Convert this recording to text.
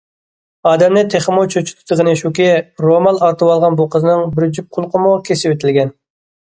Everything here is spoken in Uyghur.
ئادەمنى تېخىمۇ چۆچۈتىدىغىنى شۇكى، رومال ئارتىۋالغان بۇ قىزنىڭ بىر جۈپ قۇلىقىمۇ كېسىۋېتىلگەن.